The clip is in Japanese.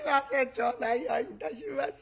頂戴をいたします」。